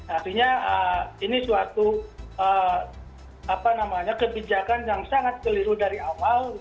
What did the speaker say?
artinya ini suatu kebijakan yang sangat keliru dari awal